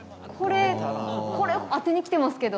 これ当てにきてますけど。